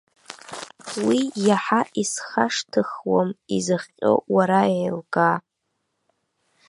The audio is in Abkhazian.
Уи иаҳа исхашҭыхуам, изыхҟьо уара еилкаа.